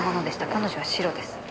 彼女はシロです。